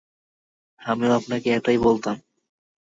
আমিও আপনাকে এটাই বলতাম।